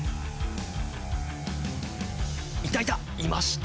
いたいた！